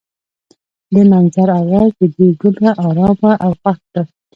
د منظر اواز د دوی زړونه ارامه او خوښ کړل.